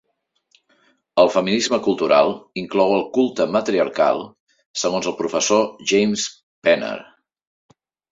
El feminisme cultural inclou el "culte matriarcal", segons el Professor James Penner.